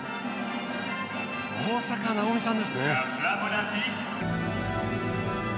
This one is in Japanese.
大坂なおみさんですね。